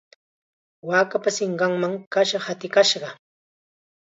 Waakapa sinqanman kasha hatikashqa.